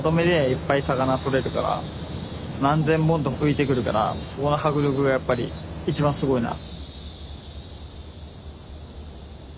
いっぱい魚取れるから何千本と浮いてくるからそこの迫力がやっぱり一番すごいな。